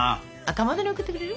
かまどに贈ってくれる？